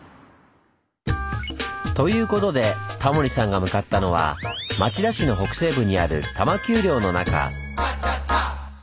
ということでタモリさんが向かったのは町田市の北西部にある多摩丘陵の中。